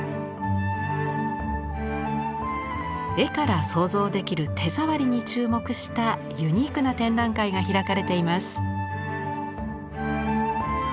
絵から想像できる手ざわりに注目したユニークな展覧会が開かれています。